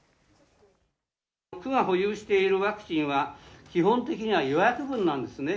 区が保有しているワクチンは、基本的には予約分なんですね。